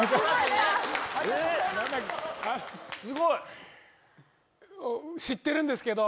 すごい！